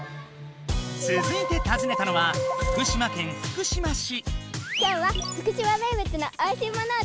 つづいてたずねたのは今日は福島名物のおいしいものを食べに来ました。